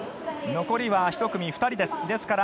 残りは１組２人です。